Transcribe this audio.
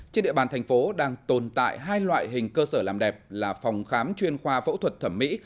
trên địa bàn thành phố đang tồn tại hai loại hình cơ sở làm đẹp là phòng khám chuyên khoa phẫu thuật thẩm mỹ